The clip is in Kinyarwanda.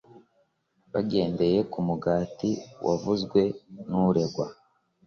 Bagendeye ku mugati wavuzwe n’uregwa